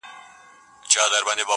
o بخت په ټنډه دئ، نه په منډه!